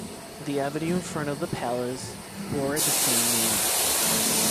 The avenue in front of the palace bore the same name.